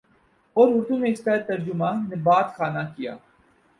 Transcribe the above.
اور اردو میں اس کا ترجمہ نبات خانہ کیا